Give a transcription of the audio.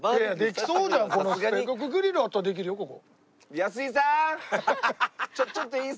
安井さーん！